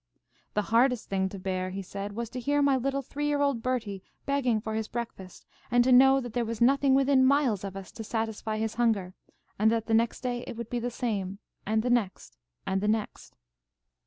"The hardest thing to bear," he said, "was to hear my little three year old Bertie begging for his breakfast, and to know that there was nothing within miles of us to satisfy his hunger, and that the next day it would be the same, and the next, and the next.